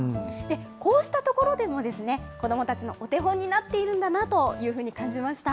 こうしたところでも、子どもたちのお手本になっているんだなというふうに感じました。